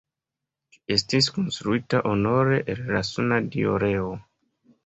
Ĝi estis konstruita honore al la suna dio Reo.